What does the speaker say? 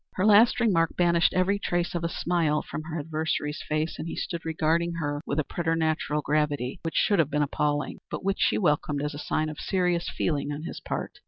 Her last remark banished every trace of a smile from her adversary's face, and he stood regarding her with a preternatural gravity, which should have been appalling, but which she welcomed as a sign of serious feeling on his part.